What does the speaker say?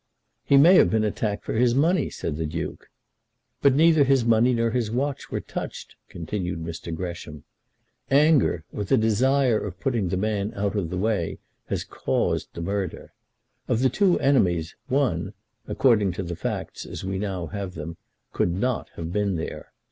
"He may have been attacked for his money," said the Duke. "But neither his money nor his watch were touched," continued Mr. Gresham. "Anger, or the desire of putting the man out of the way, has caused the murder. Of the two enemies one, according to the facts as we now have them, could not have been there.